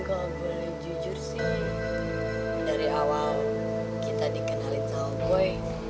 tapi kalo gue jujur sih dari awal kita dikenalin sama gue